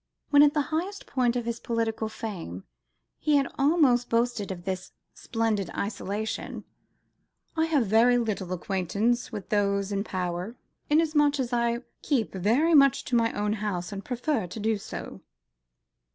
When at the highest of his political fame, he had almost boasted himself of this "splendid isolation," "I have very little acquaintance with those in power, inasmuch as I keep very much to my own house, and prefer to do so."